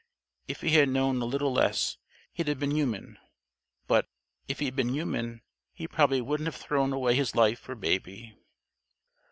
If he had known a little less he'd have been human. But if he'd been human, he probably wouldn't have thrown away his life for Baby."